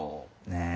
ねえ。